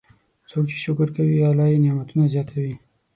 څوک چې شکر کوي، الله یې نعمتونه زیاتوي.